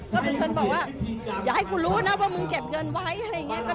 ก็เป็นคนบอกว่าอย่าให้กูรู้นะว่ามึงเก็บเงินไว้อะไรอย่างนี้